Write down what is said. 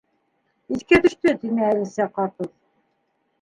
— Иҫкә төштө, — тине Әлисә ҡапыл.